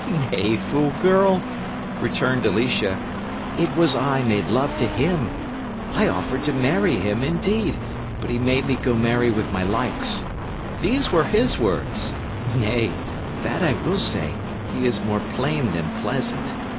"Nay, fool girl," returned Alicia; "it was I made love to him. I offered to marry him, indeed; but he bade me go marry with my likes. These were his words. Nay, that I will say: he is more plain than pleasant.